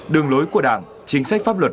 đường lối của đảng chính sách pháp luật